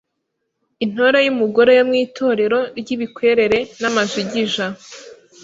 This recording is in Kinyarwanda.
Intore y’umugore yo mu Itorero ry’ibikwerere n’amajigija;